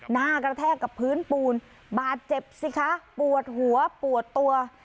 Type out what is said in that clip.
หน้ากระแทกกับพื้นปูนบาดเจ็บสิคะปวดหัวปวดตัว